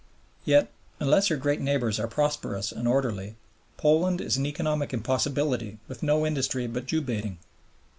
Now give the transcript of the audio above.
Yet, unless her great neighbors are prosperous and orderly, Poland is an economic impossibility with no industry but Jew baiting.